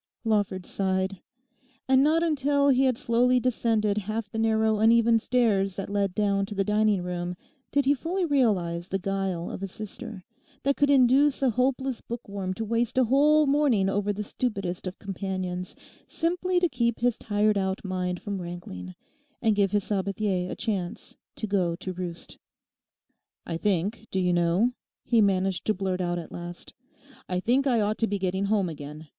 Lawford sighed. And not until he had slowly descended half the narrow uneven stairs that led down to the dining room did he fully realise the guile of a sister that could induce a hopeless bookworm to waste a whole morning over the stupidest of companions, simply to keep his tired out mind from rankling, and give his Sabathier a chance to go to roost. 'I think, do you know,' he managed to blurt out at last 'I think I ought to be getting home again.